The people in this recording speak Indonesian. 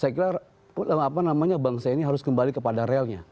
saya kira bangsa ini harus kembali kepada realnya